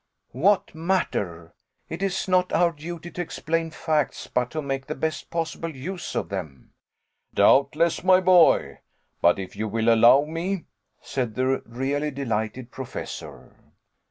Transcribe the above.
"What matter! It is not our duty to explain facts, but to make the best possible use of them." "Doubtless, my boy; but if you will allow me " said the really delighted Professor.